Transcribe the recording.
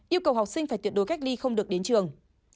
yêu cầu học sinh phải tuyệt đối cách ly không được đến trường